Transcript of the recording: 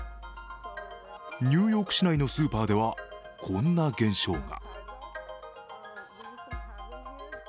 ニューヨーク市内のスーパーでは、こんな現象が。